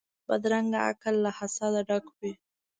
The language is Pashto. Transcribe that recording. بدرنګه عقل له حسده ډک وي